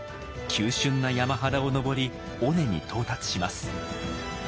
急しゅんな山肌を登り尾根に到達します。